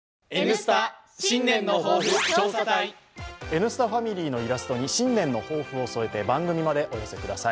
「Ｎスタ」ファミリーのイラストに新年の抱負を添えて番組までお寄せください。